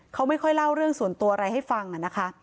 เขาไม่ค่อยเล่าเรื่องส่วนตัวอะไรให้ฟังนะคะ